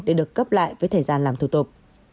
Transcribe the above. để được cấp lại với thời gian làm thủ tục